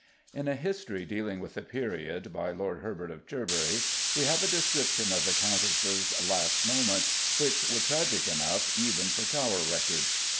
In a history dealing with the period, by Lord Herbert of Cherbury, we have a description of the Countess's last moments, which were tragic enough even for Tower records.